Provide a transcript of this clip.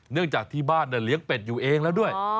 จากที่บ้านเลี้ยงเป็ดอยู่เองแล้วด้วย